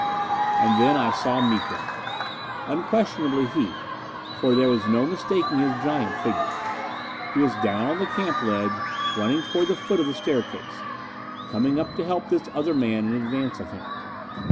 And then I saw Miko! Unquestionably he: for there was no mistaking his giant figure. He was down on the camp ledge, running toward the foot of the staircase, coming up to help this other man in advance of him.